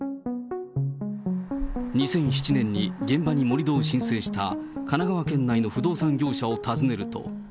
２００７年に現場に盛り土を申請した神奈川県内の不動産業者を訪ねると。